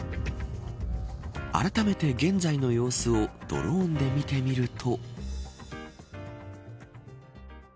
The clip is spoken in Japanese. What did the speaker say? あらためて現在の様子をドローンで見てみると。